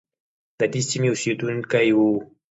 ددې سیمې اوسیدونکی وو.